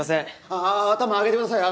ああ頭上げてください！